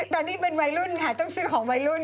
ตอนนี้เป็นวัยรุ่นค่ะต้องซื้อของวัยรุ่น